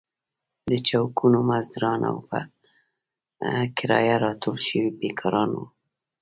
د چوکونو مزدوران او په کرايه راټول شوي بېکاران وو.